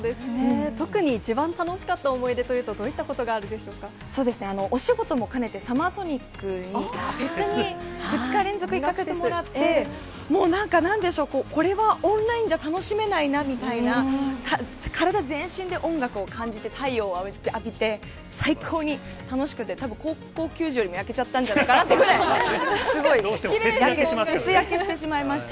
特に一番楽しかった思い出というと、どういったことがあるでしょそうですね、お仕事も兼ねて、サマーソニックに、フェスに２日連続行かせてもらって、もう、なんかなんでしょう、これはオンラインじゃ楽しめないなみたいな、体全身で音楽を感じて、太陽を浴びて、最高に楽しくて、たぶん、高校球児よりも焼けちゃったんじゃないかなというぐらい、すごいフェス焼け薄焼けしてしまいました。